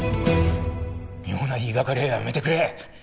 妙な言いがかりはやめてくれ！